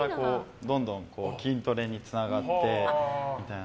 どんどん筋トレにつながってみたいな。